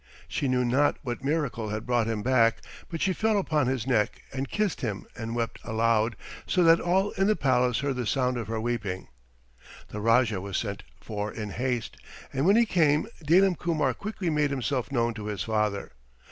She knew not what miracle had brought him back, but she fell upon his neck and kissed him, and wept aloud, so that all in the palace heard the sound of her weeping. The Rajah was sent for in haste, and when he came Dalim Kumar quickly made himself known to his father.